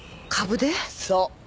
そう。